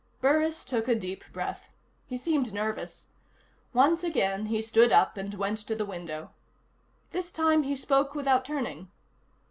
Burris took a deep breath. He seemed nervous. Once again he stood up and went to the window. This time, he spoke without turning.